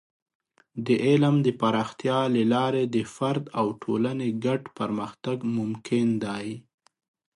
د علم د پراختیا له لارې د فرد او ټولنې ګډ پرمختګ ممکن دی.